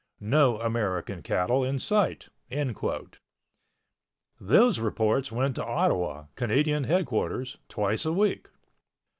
No American cattle in sight." Those reports went to Ottawa, Canadian headquarters twice a week.